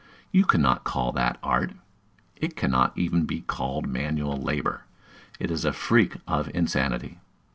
You cannot call that art, it cannot even be called manual labor: it is a freak of insanity!